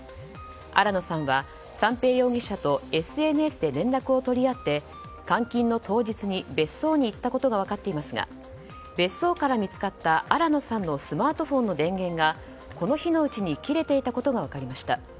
新野さんは三瓶容疑者とＳＮＳで連絡を取り合って監禁の当日に別荘に行ったことが分かっていますが別荘から見つかった新野さんのスマートフォンの電源がこの日のうちに切れていたことが分かりました。